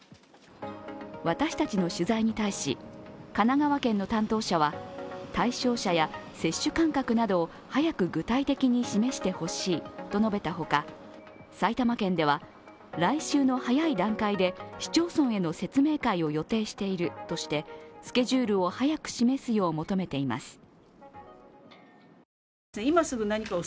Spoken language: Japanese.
私たちの取材に対し神奈川県の担当者は対象者や接種間隔などを、早く具体的に示してほしいと述べたほか埼玉県では、来週の早い段階で、市町村への説明会を予定しているとして、スケジュールを早く示すよう求めています。